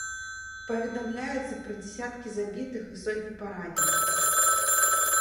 Паведамляецца пра дзясяткі забітых і сотні параненых.